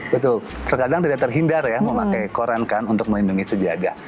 betul terkadang tidak terhindar ya memakai koran kan untuk melindungi sejaga